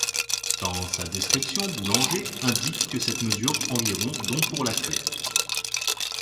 Dans sa description Boulenger indique que cette mesure environ dont pour la queue.